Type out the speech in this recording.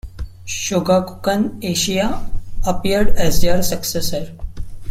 Shogakukan Asia appeared as their successor.